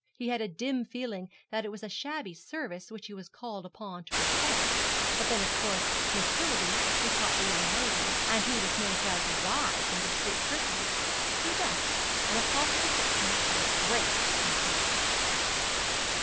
He had a dim feeling that it was a shabby service which he was called upon to perform; but then of course Miss Pillby, who taught the young ladies, and who was no doubt a wise and discreet personage, knew best; and a possible sixpence was a great temptation.